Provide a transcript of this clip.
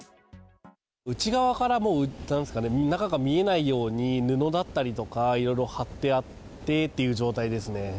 内側から中が見えないように、布だったりとか、いろいろ張ってあってっていう状態ですね。